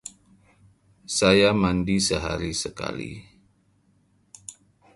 Saya mandi sehari sekali.